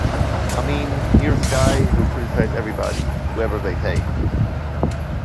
I mean, here's a guy who criticizes everybody, whoever they take.